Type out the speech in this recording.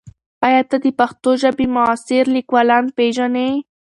ایا ته د پښتو ژبې معاصر لیکوالان پېژنې؟